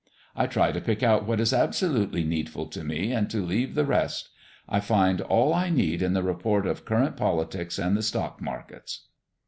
I try to pick out what is absolutely needful to me and to leave the rest. I find all I need in the report of current politics and the stock markets."